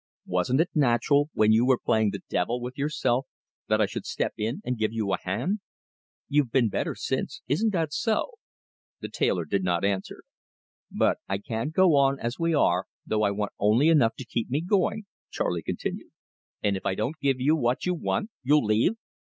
Wasn't it natural, when you were playing the devil with yourself, that I should step in and give you a hand? You've been better since isn't that so?" The tailor did not answer. "But I can't go on as we are, though I want only enough to keep me going," Charley continued. "And if I don't give you what you want, you'll leave?"